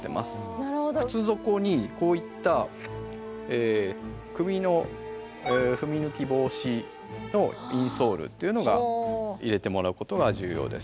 靴底にこういった釘の踏み抜き防止のインソールというのが入れてもらうことが重要です。